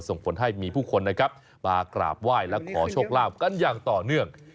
ส่งผลให้มีผู้คนนะครับมากราบไหว้และขอโชคลาภกันอย่างต่อเนื่อง